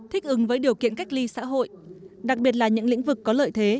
thích ứng với điều kiện cách ly xã hội đặc biệt là những lĩnh vực có lợi thế